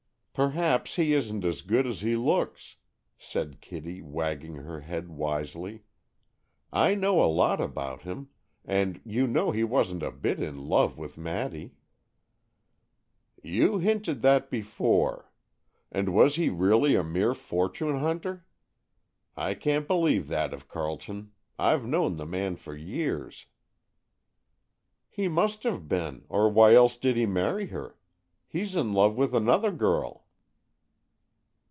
"Perhaps he isn't as good as he looks," said Kitty, wagging her head wisely. "I know a lot about him. You know he wasn't a bit in love with Maddy." "You hinted that before. And was he really a mere fortune hunter? I can't believe that of Carleton. I've known the man for years." "He must have been, or else why did he marry her? He's in love with another girl."